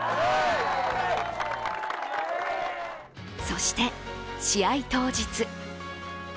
そして、試合当日。